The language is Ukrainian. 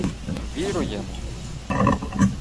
— Ввіруємо!